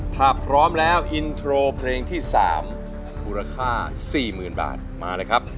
ถ้าพร้อมแล้วอินโทรเพลงที่๓มูลค่า๔๐๐๐บาทมาเลยครับ